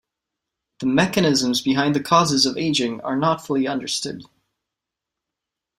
The mechanisms behind the causes of ageing are not fully understood.